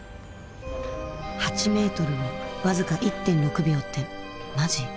８メートルを僅か１．６秒ってマジ？